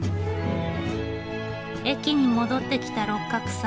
駅に戻ってきた六角さん。